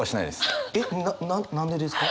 えっな何でですか？